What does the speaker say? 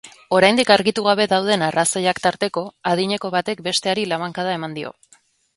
Oraindik argitu gabe dauden arrazoiak tarteko, adineko batek besteari labankada eman dio.